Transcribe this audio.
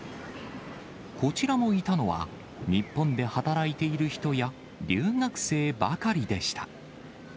こちらもいたのは、日本で働いている人や、留学生ばかりでした。